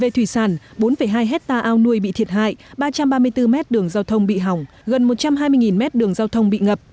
về thủy sản bốn hai hectare ao nuôi bị thiệt hại ba trăm ba mươi bốn mét đường giao thông bị hỏng gần một trăm hai mươi mét đường giao thông bị ngập